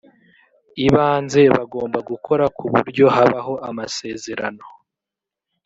ibanze bagomba gukora ku buryo habaho amasezerano